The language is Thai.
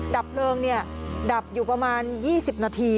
ดับเพลิงดับอยู่ประมาณ๒๐นาที